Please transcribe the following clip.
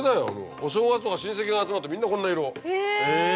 お正月とか親戚が集まるとみんなこんな色。